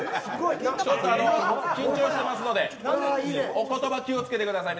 ちょっと緊張してますのでお言葉気をつけてください。